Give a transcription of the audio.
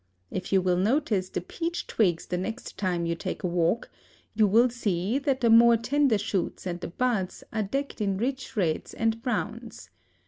If you will notice the peach twigs the next time you take a walk, you will see that the more tender shoots and the buds are decked in rich reds and browns.